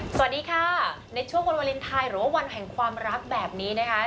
สวัสดีค่ะในช่วงวันวาเลนไทยหรือว่าวันแห่งความรักแบบนี้นะคะ